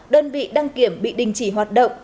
đơn vị đăng kiểm bị đình chỉ hoạt động